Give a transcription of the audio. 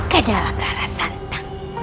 ke dalam rara santang